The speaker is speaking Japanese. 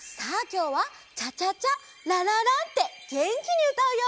きょうはチャチャチャララランってげんきにうたうよ！